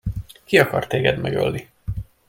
Ki akart téged megölni?